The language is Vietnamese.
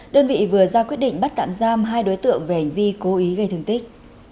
đơn vị vừa ra quyết định bắt tạm giam hai đối tượng về hành vi cố ý gây thương tích